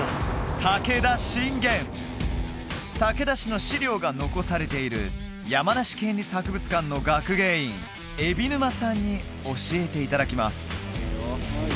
武田信玄武田氏の資料が残されている山梨県立博物館の学芸員海老沼さんに教えていただきます